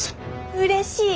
うれしい！